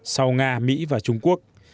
sau nga mỹ và trung quốc